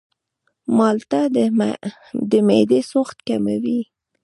مالټه د معدې سوخت کموي.